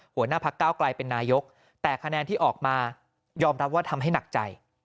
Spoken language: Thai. หัวหน้าพักเก้าไกลเป็นนายกแต่คะแนนที่ออกมายอมรับว่าทำให้หนักใจ